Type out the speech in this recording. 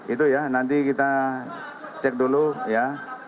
itu ya nanti kita cek dulu ya